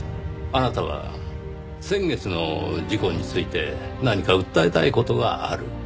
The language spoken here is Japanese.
あなたは先月の事故について何か訴えたい事がある。